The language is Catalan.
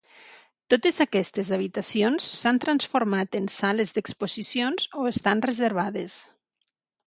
Totes aquestes habitacions s'han transformat en sales d'exposicions o estan reservades.